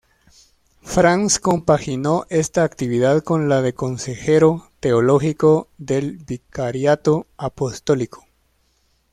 Franz compaginó esta actividad con la de consejero teológico del vicariato apostólico.